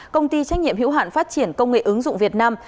công ty trách nhiệm hiểu hạn phát triển công nghệ ứng dụng việt nam